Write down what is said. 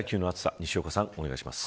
西岡さん、お願いします。